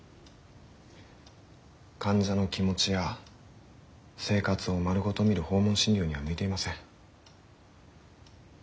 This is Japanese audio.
患者の気持ちや生活を丸ごと診る訪問診療には向いていません。